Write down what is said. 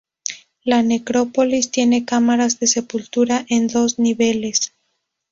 La necrópolis tiene cámaras de sepultura en dos niveles.